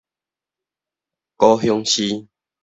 高雄市